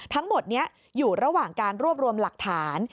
ทั้งหมดนี้อยู่ระหว่างการรวบรวมหลักฐาน